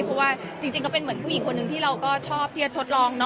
เพราะว่าจริงก็เป็นเหมือนผู้หญิงคนหนึ่งที่เราก็ชอบที่จะทดลอง